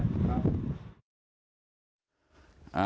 ครับ